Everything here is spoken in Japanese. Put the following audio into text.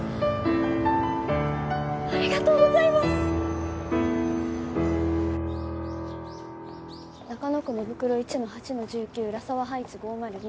ありがとうございます中野区野袋１−８−１９浦沢ハイツ５０２